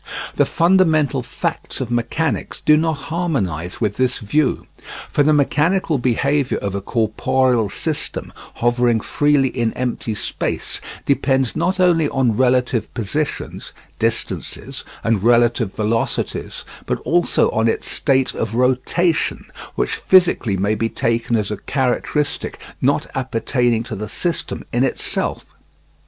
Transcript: The fundamental facts of mechanics do not harmonize with this view. For the mechanical behaviour of a corporeal system hovering freely in empty space depends not only on relative positions (distances) and relative velocities, but also on its state of rotation, which physically may be taken as a characteristic not appertaining to the system in itself.